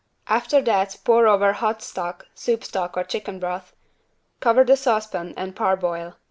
After that pour over hot stock (soup stock or chicken broth) cover the saucepan and parboil.